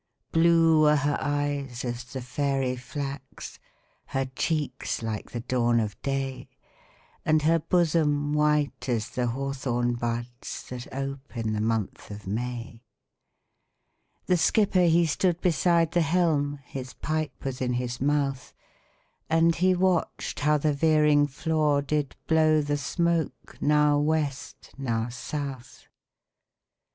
Blue were her eyes as the fairy flax, Her cheeks like the dawn of day, And her bosom white as the hawthorn buds, That ope in the month of May. The skipper he stood beside the helm, His pipe was in his mouth, And he watched how the veering flaw did blow The smoke now West, now South.